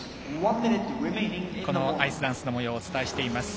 アイスダンスの模様をお伝えしています。